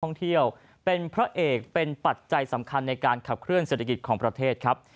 ท่องเที่ยวเป็นพระเอกเป็นปัจจัยสำคัญในการขับเคลื่อเศรษฐกิจของประเทศครับ